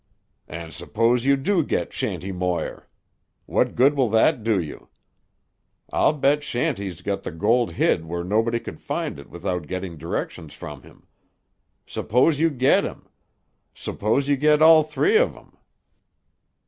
"And suppose you do get Shanty Moir? What good will that do you? I'll bet Shanty's got the gold hid where nobody could find it without getting directions from him. Suppose you get him. Suppose you get all three of 'em.